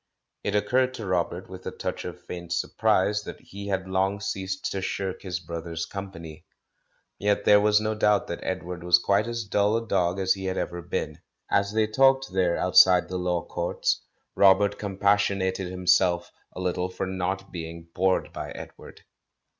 It occurred to Robert with a touch of faint surprise that he had long ceased to shirk his brother's THE CALL FROM THE PAST 389 company; yet there was no doubt that Edward was quite as dull a dog as he had ever been. As they talked there, outside the Law Courts, Rob ert compassionated himself a little for not being bored by Edward.